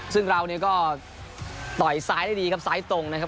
ซึ่งเราเนี่ยก็ต่อยซ้ายได้ดีครับซ้ายตรงนะครับ